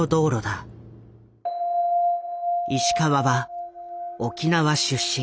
石川は沖縄出身。